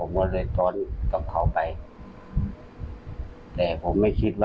อยู่อยู่กับเขาหมดเลยครับ